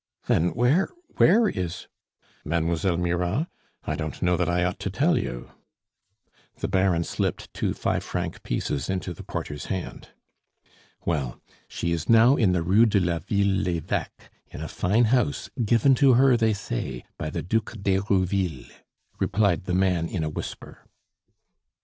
"Then, where where is ?" "Mademoiselle Mirah? I don't know that I ought to tell you." The Baron slipped two five franc pieces into the porter's hand. "Well, she is now in the Rue de la Ville l'Eveque, in a fine house, given to her, they say, by the Duc d'Herouville," replied the man in a whisper.